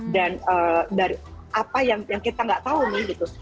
dan dari apa yang kita nggak tahu nih gitu